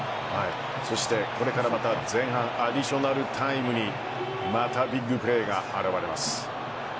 そしてこれからまた前半アディショナルタイムにまたビッグプレーが現れます。